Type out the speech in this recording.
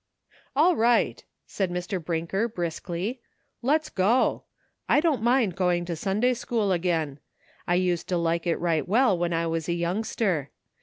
"All right," said Mr. Brinker briskly, "let's go. I don't mind going to Sunday school again. I used to like it right well when I was a young ster.